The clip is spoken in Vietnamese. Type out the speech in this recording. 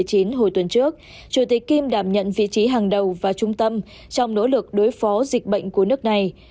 chủ tịch kim đảm nhận vị trí hàng đầu và trung tâm trong nỗ lực đối phó dịch bệnh của nước này